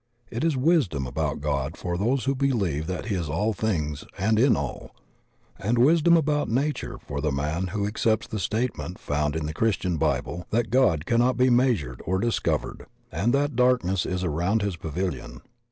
It is wisdom about God for those who believe that he is all things and in all, and wisdom about nature for the man who accepts the statement found in the Qiristian Bible that God cannot be measured or discovered, and that darkness is around his pavilion.